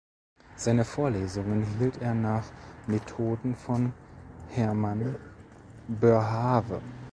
Seine Vorlesungen hielt er nach Methoden von Herman Boerhaave.